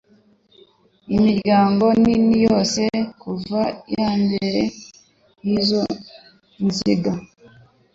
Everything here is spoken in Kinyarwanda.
iminyago nini yose kuva iyambere yizo nziga